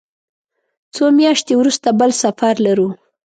څو میاشتې وروسته بل سفر لرو.